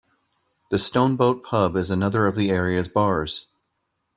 The Stone Boat pub is another of the area's bars.